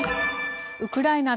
ウクライナ